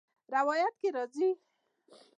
روايت کي راځي :